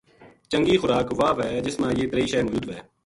چنگی خوراک واہ وھے جس ما یہ تریہی شے موجود وھے